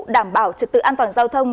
đảm bảo trực tự an toàn giao thông